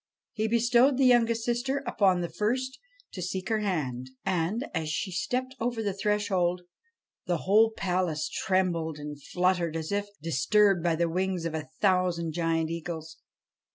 He bestowed the youngest sister upon the first to seek her hand. And, as she stepped over the threshold, the whole palace trembled and fluttered as if disturbed by the wings of a thousand giant eagles.